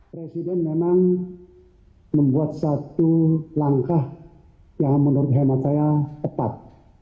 presiden memang membuat satu langkah yang menurut hemat saya tepat